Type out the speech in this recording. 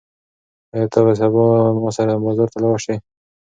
ایا ته به سبا ما سره بازار ته لاړ شې؟